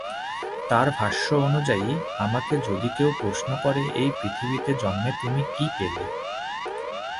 তার ভাষ্য অনুযায়ী, ’আমাকে যদি কেউ প্রশ্ন করে এই পৃথিবীতে জন্মে তুমি কী পেলে?